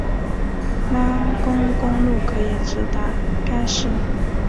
拉贡公路可以直达该寺。